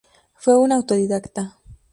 Fue un autodidacta.